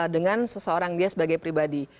dengan seseorang dia sebagai pribadi